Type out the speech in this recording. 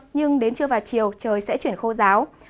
nhưng đến trưa và chiều trời sẽ chuyển khô giáo